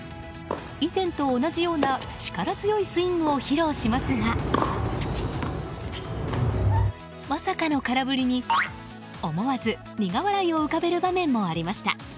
以前と同じような力強いスイングを披露しますがまさかの空振りに思わず、苦笑いを浮かべる場面もありました。